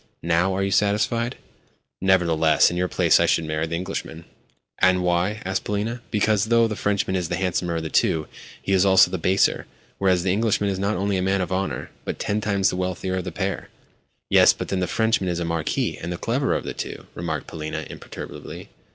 Now are you satisfied?" "Nevertheless, in your place I should marry the Englishman." "And why?" asked Polina. "Because, though the Frenchman is the handsomer of the two, he is also the baser; whereas the Englishman is not only a man of honour, but ten times the wealthier of the pair." "Yes? But then the Frenchman is a marquis, and the cleverer of the two," remarked Polina imperturbably.